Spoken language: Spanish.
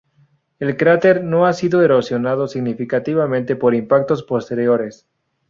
El cráter no ha sido erosionado significativamente por impactos posteriores.